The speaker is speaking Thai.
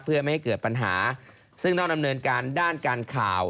เพื่อไม่ให้เกิดปัญหาซึ่งต้องดำเนินการด้านการข่าว